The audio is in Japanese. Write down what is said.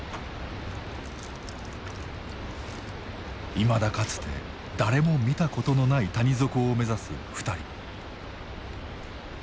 いまだかつて誰も見たことのない谷底を目指す２人。